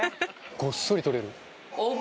「ごっそり取れる！」